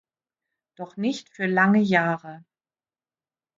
Doch nicht für lange Jahre.